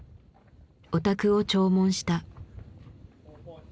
お宅を弔問した。